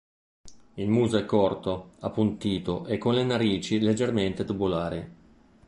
Il muso è corto, appuntito e con le narici leggermente tubulari.